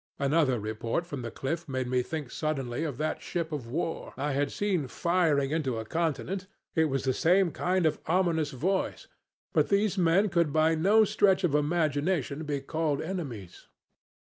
Another report from the cliff made me think suddenly of that ship of war I had seen firing into a continent. It was the same kind of ominous voice; but these men could by no stretch of imagination be called enemies.